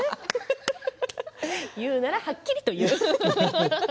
言うならはっきりと言う。